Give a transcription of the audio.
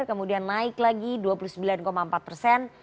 kemudian naik lagi dua puluh sembilan empat persen